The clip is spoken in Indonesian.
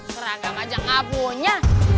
seragam aja gak punya